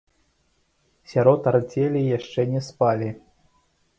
Сярод арцелі яшчэ не спалі.